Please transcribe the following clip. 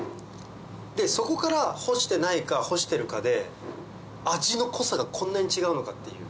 でそこから干してないか干してるかで味の濃さがこんなに違うのかっていう。